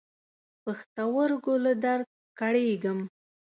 پښتورګو له درد کړېږم.